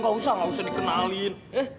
gak usah gak usah dikenalin